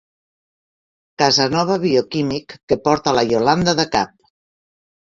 Casanova bioquímic que porta la Iolanda de cap.